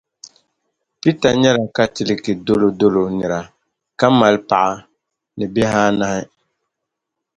Peter nyɛla Katiliki dolo dolo nira ka mali paɣa ni bihi anahi..